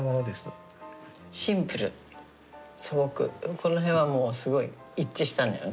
この辺はもうすごい一致したのよね。